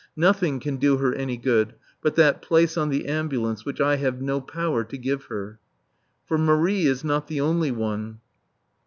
Nothing can do her any good but that place on the ambulance which I have no power to give her. For Marie is not the only one.